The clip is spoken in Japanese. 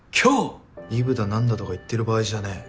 イブだ何だとか言ってる場合じゃねぇ。